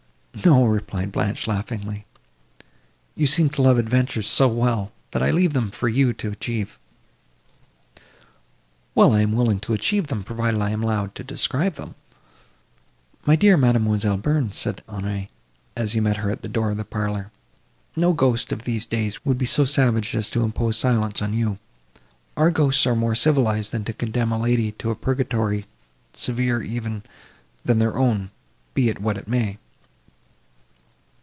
"No," replied Blanche, laughingly, "you seem to love adventures so well, that I leave them for you to achieve." "Well, I am willing to achieve them, provided I am allowed to describe them." "My dear Mademoiselle Bearn," said Henri, as he met her at the door of the parlour, "no ghost of these days would be so savage as to impose silence on you. Our ghosts are more civilized than to condemn a lady to a purgatory severer even, than their own, be it what it may."